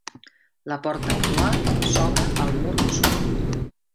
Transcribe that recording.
La porta actual s'obre al mur sud.